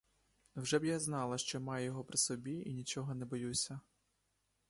Вже б я знала, що маю його при собі і нічого не боюся!